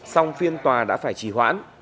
xong phiên tòa đã phải trì hoãn